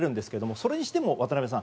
それにしても渡辺さん